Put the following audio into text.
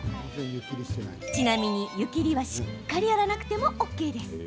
ちなみに、湯切りはしっかりやらなくてもＯＫです。